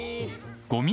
ごみ？